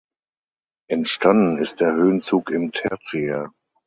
Entstanden ist der Höhenzug im Tertiär.